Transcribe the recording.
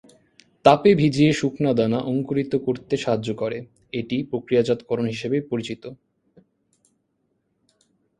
তাপে ভিজিয়ে শুকনা দানা অঙ্কুরিত করতে সাহায্য করে, এটি প্রক্রিয়াজাতকরণ হিসাবে পরিচিত।